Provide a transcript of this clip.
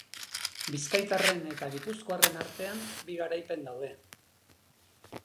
Bizkaitarren eta gipuzkoarren artean bi garaipen daude.